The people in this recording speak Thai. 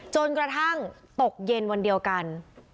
จนกระทั่งตกเย็นวันเดียวกัน